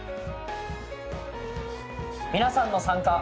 皆さんの参加。